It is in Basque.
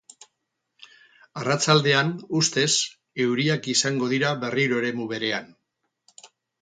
Arratsaldean, ustez, euriak izango dira berriro eremu berean.